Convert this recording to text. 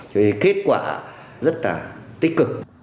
thì kết quả rất là tích cực